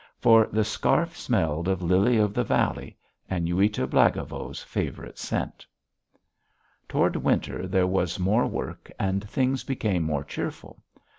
For the scarf smelled of lily of the valley, Aniuta Blagovo's favourite scent. Toward winter there was more work and things became more cheerful.